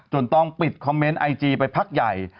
ต้องปิดคอมเมนต์ไอจีไปพักใหญ่